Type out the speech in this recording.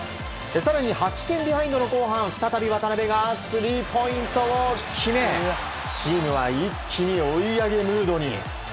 更に８点ビハインドの後半再び渡邊がスリーポイントを決めチームは一気に追い上げムードに。